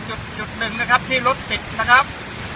จุดหนึ่งนะครับที่รถติดนะครับ